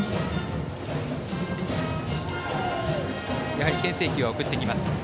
やはりけん制球を送ってきます。